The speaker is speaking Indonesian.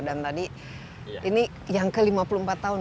dan tadi ini yang ke lima puluh empat tahun